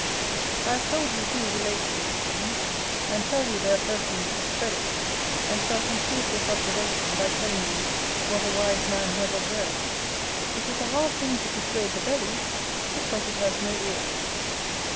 I have told you who relate these things; and tell you they are persons of credit; and shall conclude this observation, by telling you, what a wise man has observed, "It is a hard thing to persuade the belly, because it has no ears".